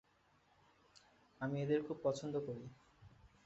আমি এদের খুব পছন্দ করি।